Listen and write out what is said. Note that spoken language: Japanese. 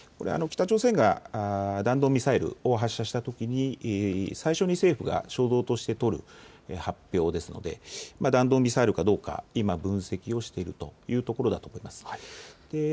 北朝鮮が弾道ミサイルを発射したときに最初に政府が初動として取る発表ですので弾道ミサイルかどうか今分析をしているというところだと思います。